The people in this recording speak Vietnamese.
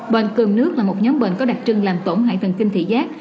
bệnh cường nước là một nhóm bệnh có đặc trưng làm tổn hại thần kinh thị giác